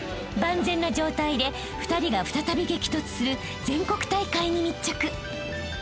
［万全な状態で２人が再び激突する全国大会に密着］